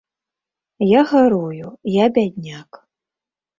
Я гарую, я бядняк.